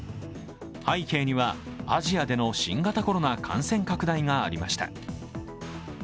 背景にはアジアでの新型コロナ感染拡大がありました。